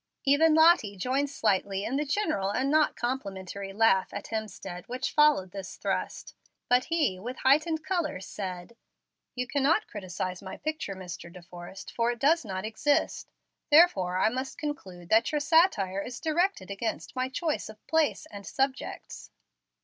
Even Lottie joined slightly in the general and not complimentary laugh at Hemstead which followed this thrust, but he, with heightened color, said, "You cannot criticise my picture, Mr. De Forrest, for it does not exist. Therefore I must conclude that your satire is directed against my choice of place and subjects."